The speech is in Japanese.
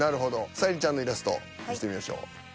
沙莉ちゃんのイラスト見してみましょう。